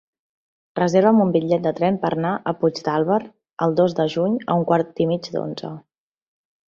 Reserva'm un bitllet de tren per anar a Puigdàlber el dos de juny a un quart i mig d'onze.